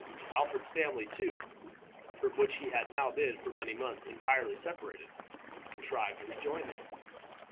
Alfred's family, too, from which he had now been for many months entirely separated, contrived to rejoin him.